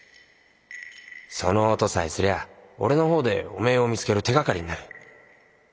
その音さえすりゃ俺の方でお前を見つける手がかりになる。